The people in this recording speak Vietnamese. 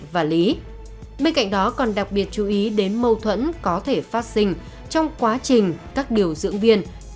và đưa trực tiếp đối tượng về cơ quan để làm việc